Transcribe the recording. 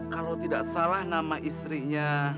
kalau tidak salah nama istrinya